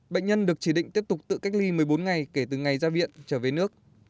bệnh nhân được chỉ định tiếp tục tự cách ly một mươi bốn ngày kể từ ngày ra viện trở về nước